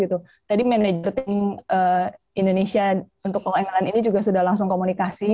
tadi manajer tim indonesia untuk o anglang ini juga sudah langsung komunikasi